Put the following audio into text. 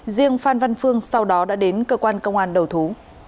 riêng phan văn phương sau đó đã đến cơ quan công an đầu thú